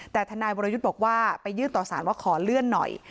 แต่ทนายวรยุทธ์บอกว่าไปยื่นต่อสารว่าขอเลื่อนหน่อย